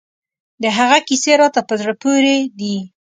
د هغه کیسې راته په زړه پورې دي.